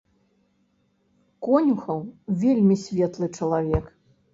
Конюхаў вельмі светлы чалавек.